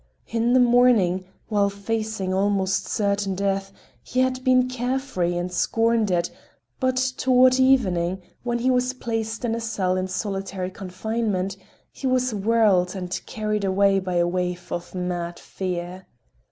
In the morning, while facing almost certain death, he had been care free and had scorned it, but toward evening when he was placed in a cell in solitary confinement, he was whirled and carried away by a wave of mad fear.